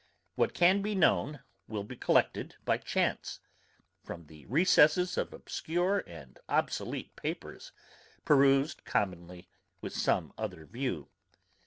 What can be known, will be collected by chance, from the recesses of obscure and obsolete papers, perused commonly with some other view.